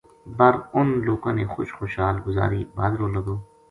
بر انھ لوکاں نے خوش خوشحال گزاری بھادرو لگو